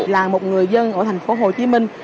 là một người dân ở thành phố hồ chí minh